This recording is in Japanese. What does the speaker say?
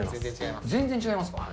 全然違います。